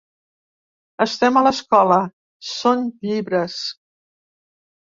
Estem a l’escola són llibres.